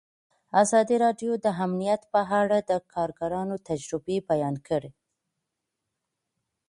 ازادي راډیو د امنیت په اړه د کارګرانو تجربې بیان کړي.